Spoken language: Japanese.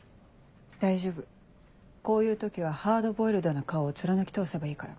大丈夫こういう時はハードボイルドな顔を貫き通せばいいから。